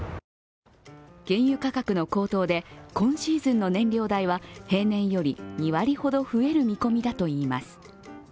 原油価格の高騰で今シーズンの燃料代は、平年より２割ほど増える見込みだといいます。